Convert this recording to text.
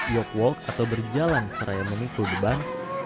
yoke walk atau berjalan seraya mengukul beban